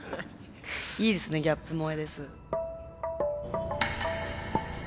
いいですねギャップ萌えです。